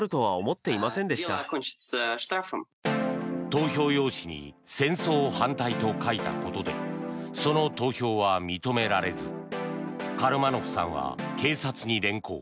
投票用紙に戦争反対と書いたことでその投票は認められずカルマノフさんは警察に連行。